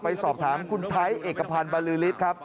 ไปสอบถามคุณไทคเอกพันธ์บัลลิลิต